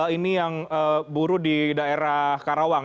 ini yang buruh di daerah karawang